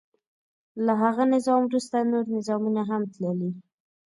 له هغه نظام وروسته نور نظامونه هم تللي.